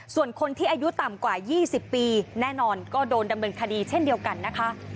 ส่วนคนที่อายุต่ำกว่า๒๐ปีแน่นอนก็โดนดำเนินคดีเช่นเดียวกันนะคะ